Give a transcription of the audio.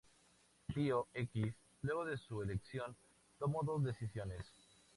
Pío X, luego de su elección, tomó dos decisiones.